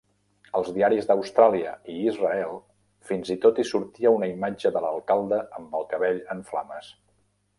Als diaris d'Austràlia i Israel fins i tot hi sortia una imatge de l'alcalde amb el cabell en flames.